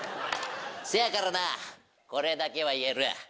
せやからなこれだけは言える。